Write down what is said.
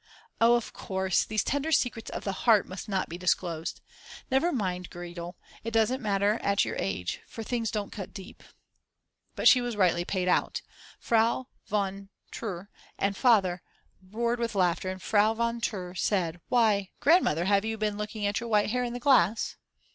Oh, of course these tender secrets of the heart must not be disclosed. Never mind Gretl, it does not matter at your age, for things don't cut deep." But she was rightly paid out: Frau von Tr. and Father roared with laughter and Frau v. Tr. said: "Why, grandmother, have you been looking at your white hair in the glass?"